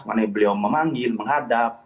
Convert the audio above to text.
makanya beliau memanggil menghadap